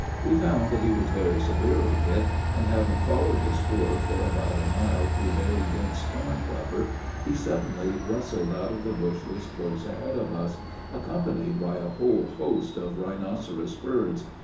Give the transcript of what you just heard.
We found that he was very severely hit, and having followed the spoor for about a mile through very dense thorn cover, he suddenly rustled out of the bushes close ahead of us, accompanied by a whole host of rhinoceros birds.